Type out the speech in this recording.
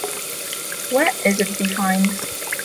Where is it defined?